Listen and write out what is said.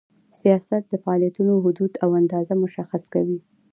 سیاست د فعالیتونو حدود او اندازه مشخص کوي.